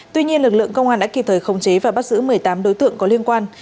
tuy nhiên lực lượng công an đã kịp thời khống chế và bắt giữ một mươi tám đối tượng có liên quan